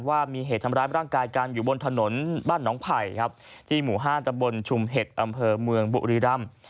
ว่ามีเหตุทำร้ายร่างกายกันอยู่บนถนนบ้านหนองไผ่ครับที่หมู่๕ตำบลชุมเห็ดอำเภอเมืองบุรีรำ